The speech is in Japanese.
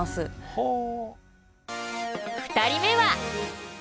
ほう。